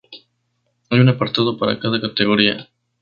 Hay un apartado para cada categoría.